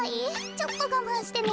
ちょっとがまんしてね。